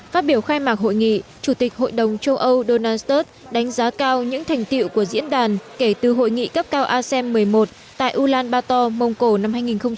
phát biểu khai mạc hội nghị chủ tịch hội đồng châu âu donald sturt đánh giá cao những thành tiệu của diễn đàn kể từ hội nghị cấp cao asem một mươi một tại ulaanbaator mông cổ năm hai nghìn một mươi tám